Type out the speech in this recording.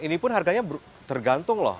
ini pun harganya tergantung loh